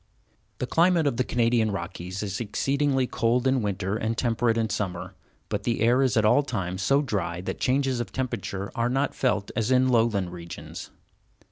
The climate of the Canadian Rockies is exceedingly cold in winter and temperate in summer, but the air is at all times so dry that changes of temperature are not felt as in lowland regions.